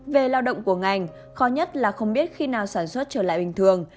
về lao động của ngành khó nhất là không biết khi nào sản xuất trở lại bình thường